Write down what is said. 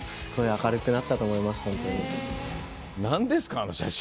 何ですかあの写真。